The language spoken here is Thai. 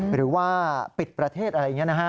หรือว่าปิดประเทศอะไรอย่างนี้นะฮะ